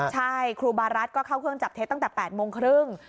ใช่ครูบารัฐก็เข้าเครื่องจับเท็จตั้งแต่๘โมงครึ่ง